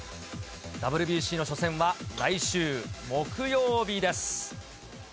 ＷＢＣの初戦は、来週木曜日です。